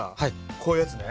こういうやつね。